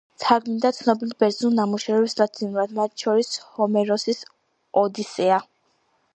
თარგმნიდა ცნობილ ბერძნულ ნამუშევრებს ლათინურად, მათ შორის ჰომეროსის ოდისეა.